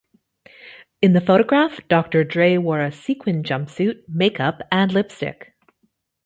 In the photograph Doctor Dre wore a sequined jumpsuit, makeup, and lipstick.